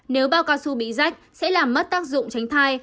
nếu bao cao su bị rách sẽ làm mất tác dụng tránh thai